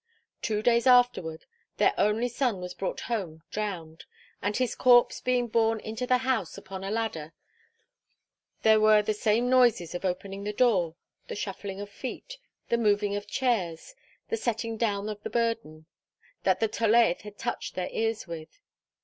Two days afterward their only son was brought home drowned; and his corpse being borne into the house upon a ladder, there were the same noises of opening the door, the shuffling of feet, the moving of chairs, the setting down of the burden, that the Tolaeth had touched their ears with.